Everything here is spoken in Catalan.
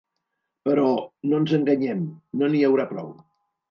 Però, no ens enganyem, no n’hi haurà prou.